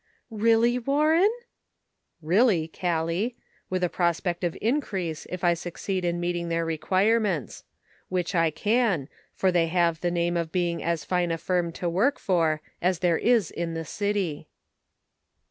"Really, Warren?" " Really, Callie ; with a prospect of increase if I succeed in meeting their requirements ; which I can, for they have the name of being as fine a firm to work for as there is in the city."